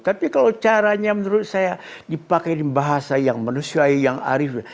tapi kalau caranya menurut saya dipakai di bahasa yang manusia yang arif